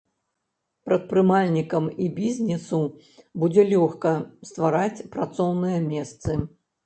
Прадпрымальнікам і бізнесу будзе лёгка ствараць працоўныя месцы.